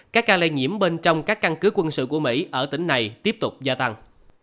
các ca lây nhiễm bên trong các căn cứ quân sự của mỹ ở tỉnh này tiếp tục gia tăng